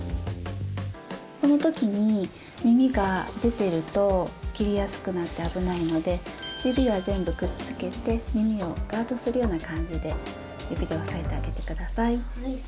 この時に耳が出てると切りやすくなって危ないので指は全部くっつけて耳をガードするような感じで指で押さえてあげて下さい。